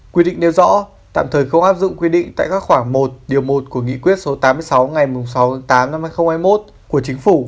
quy định nêu rõ tạm thời không áp dụng quy định tại các khoảng một điều một của nghị quyết số tám mươi sáu ngày sáu tháng tám năm hai nghìn hai mươi một của chính phủ